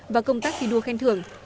và công tác thi đua khen thường